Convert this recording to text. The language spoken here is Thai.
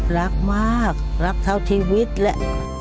รักมากรักเท่าชีวิตแหละ